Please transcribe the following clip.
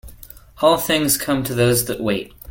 All things come to those that wait.